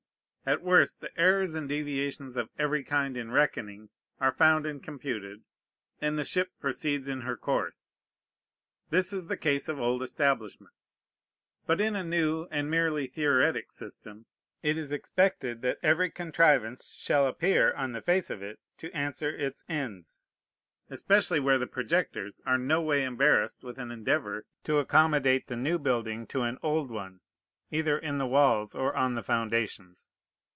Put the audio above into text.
At worst, the errors and deviations of every kind in reckoning are found and computed, and the ship proceeds in her course. This is the case of old establishments; but in a new and merely theoretic system, it is expected that every contrivance shall appear, on the face of it, to answer its ends, especially where the projectors are no way embarrassed with an endeavor to accommodate the new building to an old one, either in the walls or on the foundations.